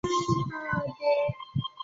对面为台大医院与台大医学院。